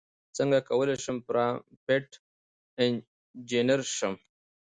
څنګه کولی شم پرامپټ انژینر شم